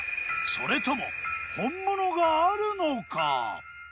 それとも本物があるのか？